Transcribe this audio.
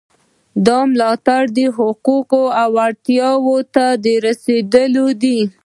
دا ملاتړ حقوقو او اړتیاوو ته د رسیدو دی.